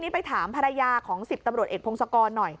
ไปถามภรรยาของสิบตำรวจเอกโปรงศักรณ์